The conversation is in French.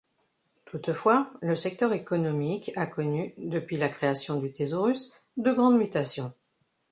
Toutefois, le secteur économique a connu, depuis la création du thésaurus, de grandes mutations.